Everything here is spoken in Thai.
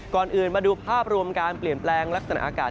ก่อนอื่นมาดูภาพรวมการเปลี่ยนแปลงลักษณะอากาศ